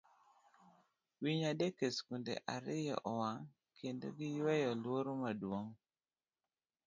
Winy adek E Skunde Ariyo Owang' Kendo Giyweyo Luoro Maduong'